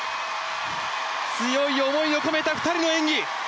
強い思いを込めた２人の演技！